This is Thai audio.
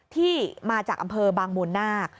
ที่มาจากอำเภอบางมูลนาค